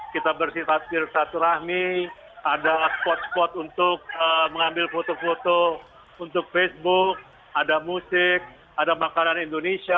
kita bersifat satu rahmi ada spot spot untuk mengambil foto foto untuk facebook ada musik ada makanan indonesia